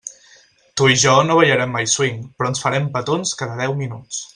Tu i jo no ballarem mai swing, però ens farem petons cada deu minuts.